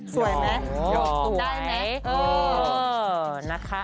สวยไหม